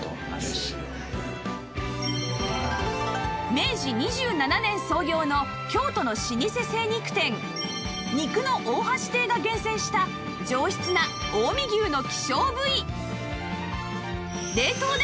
明治２７年創業の京都の老舗精肉店肉の大橋亭が厳選した上質な近江牛の希少部位